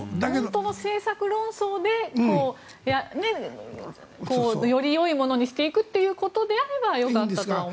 本当の政策論争でよりよいものにしていくということであればよかったとは思うんですけどね。